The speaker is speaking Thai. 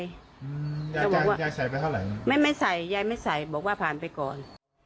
จะใส่ไปเท่าไหร่ก็ไม่ใส่บอกว่าผ่านไปก่อน